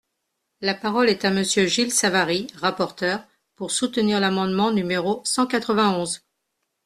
La parole est à Monsieur Gilles Savary, rapporteur, pour soutenir l’amendement numéro cent quatre-vingt-onze.